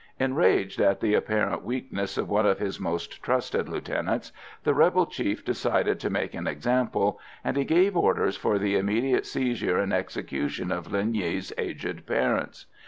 Enraged at the apparent weakness of one of his most trusted lieutenants, the rebel chief decided to make an example, and he gave orders for the immediate seizure and execution of Linh Nghi's aged parents.